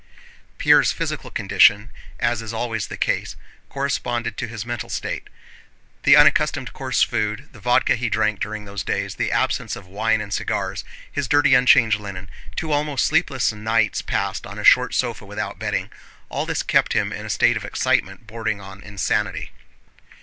Pierre's physical condition, as is always the case, corresponded to his mental state. The unaccustomed coarse food, the vodka he drank during those days, the absence of wine and cigars, his dirty unchanged linen, two almost sleepless nights passed on a short sofa without bedding—all this kept him in a state of excitement bordering on insanity.